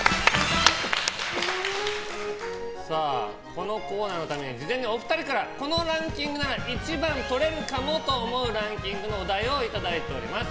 このコーナーのために事前にお二人からこのランキングなら１番とれるかもと思うランキングのお題をいただいております。